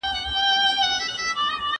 ¬ زه ستړی، ته ناراضه.